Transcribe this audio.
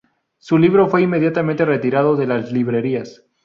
Su libro fue inmediatamente retirado de las librerías.